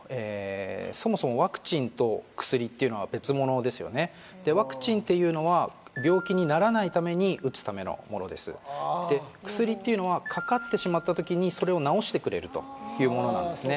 そもそもワクチンと薬っていうのは別物ですよねでワクチンっていうのは病気にならないために打つためのものですで薬っていうのはかかってしまった時にそれを治してくれるというものなんですね